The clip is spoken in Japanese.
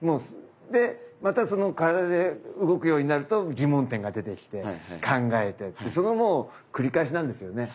でまたその体で動くようになると疑問点が出てきて考えてってそのもう繰り返しなんですよね。